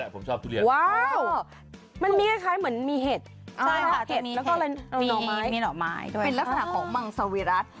เป็นลักษณะของมังสโวิรัช